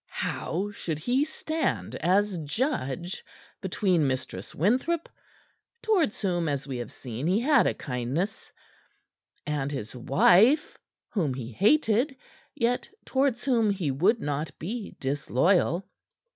How should he stand as judge between Mistress Winthrop towards whom, as we have seen, he had a kindness and his wife, whom he hated, yet towards whom he would not be disloyal?